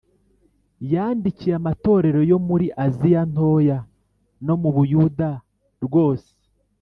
yandikiye amatorero yo muri Aziya Ntoya no mu Buyuda Rwose